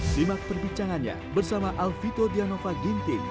simak perbincangannya bersama alvito dianova ginting